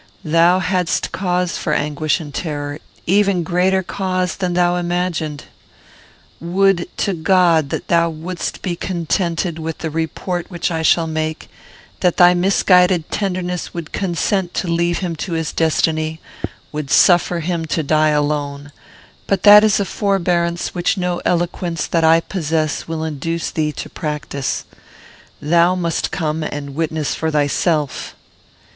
Thou hadst cause for anguish and terror, even greater cause than thou imaginedst. Would to God that thou wouldst be contented with the report which I shall make; that thy misguided tenderness would consent to leave him to his destiny, would suffer him to die alone; but that is a forbearance which no eloquence that I possess will induce thee to practise. Thou must come, and witness for thyself."